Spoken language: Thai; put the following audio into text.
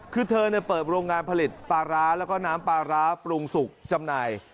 คือเธอเปิดโรงงานผลิตปลาร้าแล้วก็น้ำปลาร้าปรุงสุกจำหน่าย